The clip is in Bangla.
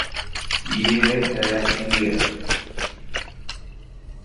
ইয়ে হ্যায় ইন্ডিয়া!